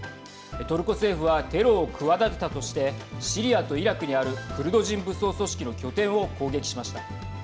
トルコ政府はテロを企てたとしてシリアとイラクにあるクルド人武装組織の拠点を攻撃しました。